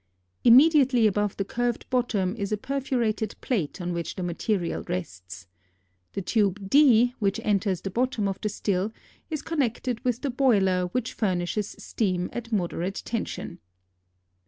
Immediately above the curved bottom is a perforated plate on which the material rests. The tube D which enters the bottom of the still is connected with the boiler which furnishes steam at moderate tension.